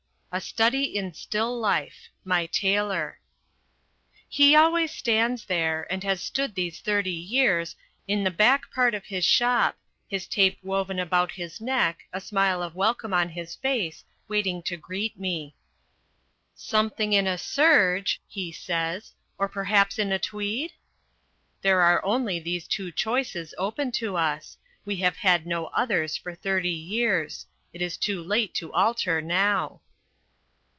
A Study in Still Life My Tailor He always stands there and has stood these thirty years in the back part of his shop, his tape woven about his neck, a smile of welcome on his face, waiting to greet me. "Something in a serge," he says, "or perhaps in a tweed?" There are only these two choices open to us. We have had no others for thirty years. It is too late to alter now.